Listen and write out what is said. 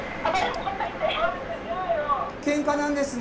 けんかなんですね。